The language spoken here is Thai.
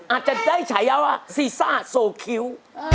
อาจจะได้ฉายาว่าซีซ่าโซคิ้ว